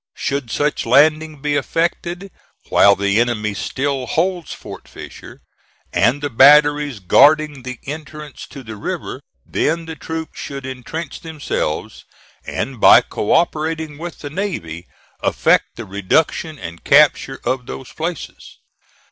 Should such landing be effected while the enemy still holds Fort Fisher and the batteries guarding the entrance to the river, then the troops should intrench themselves, and, by co operating with the navy, effect the reduction and capture of those places.